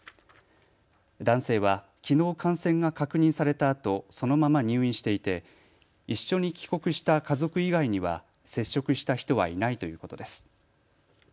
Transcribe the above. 男性はきのう感染が確認されたあとそのまま入院していて一緒に帰国した家族以外には接触した人はいないということです。